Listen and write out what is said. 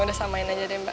udah samain aja deh mbak